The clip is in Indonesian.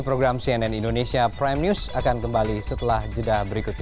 program cnn indonesia prime news akan kembali setelah jeda berikut ini